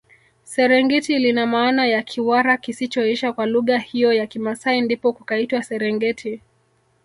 Serengiti lina maana ya Kiwara kisichoisha kwa lugha hiyo ya kimasai ndipo kukaitwa serengeti